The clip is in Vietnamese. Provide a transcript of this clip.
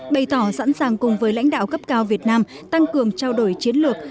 bày tỏ sẵn sàng cùng với lãnh đạo cấp cao việt nam tăng cường trao đổi chiến lược